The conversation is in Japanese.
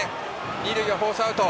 二塁はフォースアウト。